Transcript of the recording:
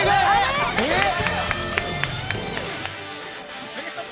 えっ？